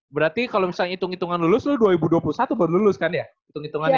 berarti kalau misalnya hitung hitungan lulus loh dua ribu dua puluh satu baru lulus kan ya hitung hitungannya